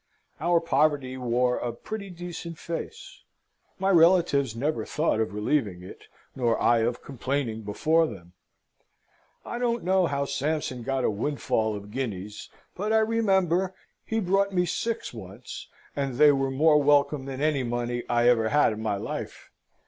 Our poverty wore a pretty decent face. My relatives never thought of relieving it, nor I of complaining before them. I don't know how Sampson got a windfall of guineas; but, I remember, he brought me six once; and they were more welcome than any money I ever had in my life.